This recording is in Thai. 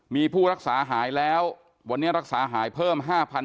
มีผู้รักษาหายแล้ววันนี้รักษาหายเพิ่ม๕๐๐